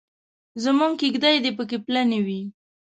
زموږ کېږدۍ دې پکې پلنې وي.